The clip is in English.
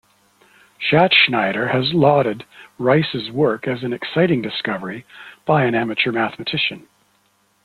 Schattschneider has lauded Rice's work as an exciting discovery by an amateur mathematician.